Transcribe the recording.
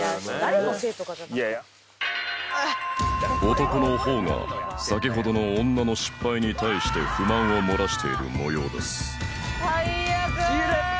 男のほうが先ほどの女の失敗に対して不満をもらしているもようです最悪！